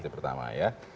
yang pertama ya